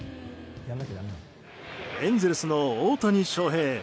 エンゼルスの大谷翔平。